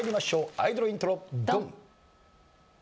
アイドルイントロドン！